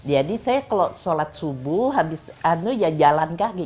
jadi saya kalau sholat subuh habis itu jalan kaki